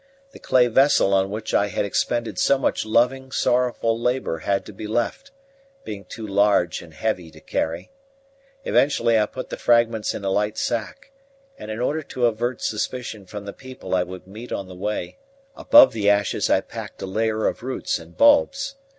The clay vessel on which I had expended so much loving, sorrowful labour had to be left, being too large and heavy to carry; eventually I put the fragments into a light sack; and in order to avert suspicion from the people I would meet on the way, above the ashes I packed a layer of roots and bulbs.